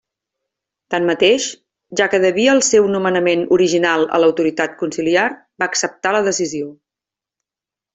Tanmateix, ja que devia el seu nomenament original a l'autoritat conciliar, va acceptar la decisió.